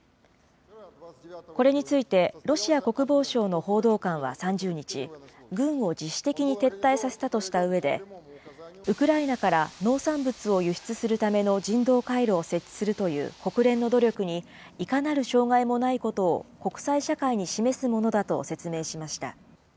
これについてロシア国防省の報道官は３０日に、軍を自主的に撤退させたとしたうえで、ウクライナから農産物を輸出するための人道回廊を設置するという国連の努力にいかなる障害もないことを、国際社会に示すものだと説明しました。